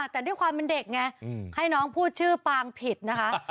แต่ด้วยความเป็นเด็กไงให้น้องพูดชื่อปางผิดนะคะ